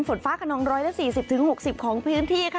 ฝนฟ้าขนอง๑๔๐๖๐ของพื้นที่ค่ะ